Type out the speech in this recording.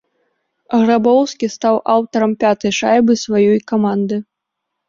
Грабоўскі стаў аўтарам пятай шайбы сваёй каманды.